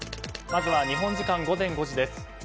まずは日本時間午前５時です。